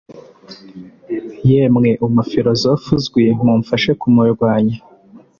Yemwe umufilozofe uzwi mumfashe kumurwanya